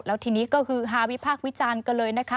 แล้วทีนี้ก็คือฮาวิพากษ์วิจารณ์กันเลยนะคะ